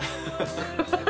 ハハハハッ。